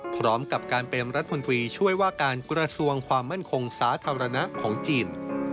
พร้อมกับการเป็นรัฐมนตรีช่วยว่าการกระทรวงความมั่นคงสาธารณะของจีน